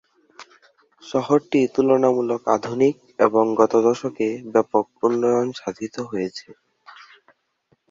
শহরটি তুলনামূলক আধুনিক এবং গত দশকে ব্যাপক উন্নয়ন সাধিত হয়েছে।